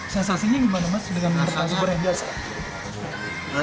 sensasinya gimana mas dengan perpaduannya biasa